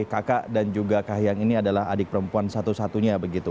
kakak dan juga kahiyang ini adalah adik perempuan satu satunya begitu